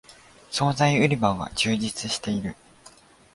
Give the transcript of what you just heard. そうざい売り場が充実している